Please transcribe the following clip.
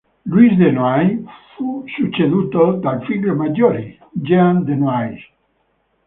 Louis de Noailles fu succeduto dal figlio maggiore, Jean de Noailles.